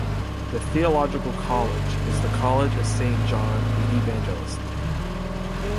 The theological college is the College of Saint John the Evangelist.